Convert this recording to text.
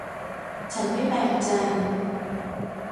ฉันไม่แปลกใจ